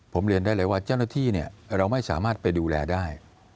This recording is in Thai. ผมเรียนได้เลยว่าเจ้าหน้าที่เราไม่สามารถไปดูแลได้